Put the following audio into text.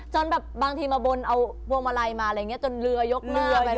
จนแบบบางทีมาบนเอาพวงมาลัยมาอะไรอย่างนี้จนเรือยกเรืออะไรอย่างนี้